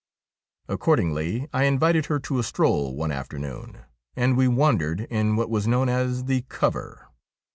Accordingly I invited her to a stroll one afternoon, and we wandered in what was known as the ' Cover.'